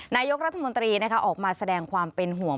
นายกรัฐมนตรีออกมาแสดงความเป็นห่วง